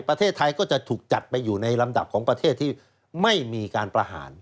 ประเทศไทยก็จะถูกจัดไปอยู่ในลำดับของประเทศที่ไม่มีการประหาร